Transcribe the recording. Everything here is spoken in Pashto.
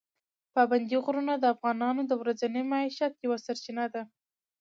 پابندي غرونه د افغانانو د ورځني معیشت یوه سرچینه ده.